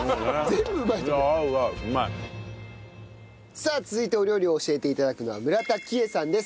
さあ続いてお料理を教えて頂くのは村田喜江さんです。